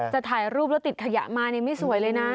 ถ่ายรูปแล้วติดขยะมานี่ไม่สวยเลยนะ